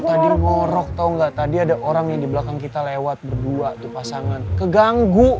ada ngorok tau nggak tadi ada orangnya di belakang kita lewat berdua pasangan keganggu